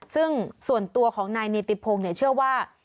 ซึ่งส่วนตัวของนายเนติพงศ์เชื่อว่า